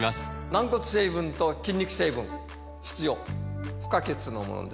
軟骨成分と筋肉成分必要不可欠のものです